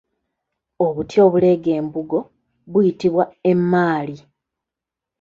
Obuti obuleega embugo buyitibwa Emmaali.